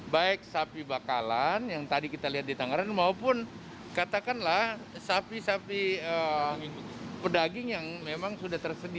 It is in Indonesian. baik sapi bakalan yang tadi kita lihat di tangerang maupun katakanlah sapi sapi pedaging yang memang sudah tersedia